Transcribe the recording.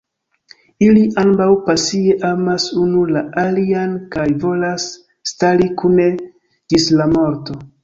Ili ambaŭ pasie amas unu la alian kaj volas stari kune ĝis la morto.